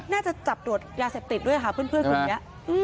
น่าจะจับตรวจยาเสพติดด้วยค่ะเพื่อนกลุ่มนี้